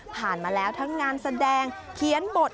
มาแล้วทั้งงานแสดงเขียนบท